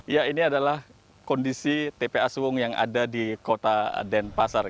ya ini adalah kondisi tpa suwung yang ada di kota denpasar